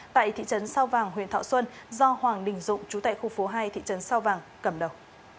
tại thị trấn sao vàng huyện thọ xuân do hoàng đình dụng chú tại khu phố hai thị trấn sao vàng cầm đầu